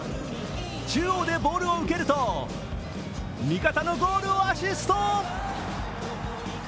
中央でボールを受けると味方のゴールをアシスト。